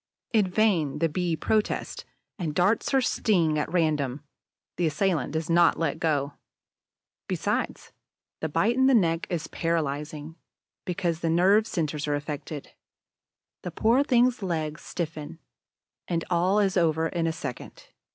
In vain the Bee protests and darts her sting at random; the assailant does not let go. Besides, the bite in the neck is paralyzing, because the nerve centers are affected. The poor thing's legs stiffen; and all is over in a second.